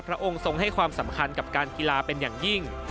องค์ทรงให้ความสำคัญกับการกีฬาเป็นอย่างยิ่ง